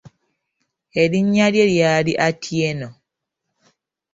Erinnya lye ly'ali Atieno.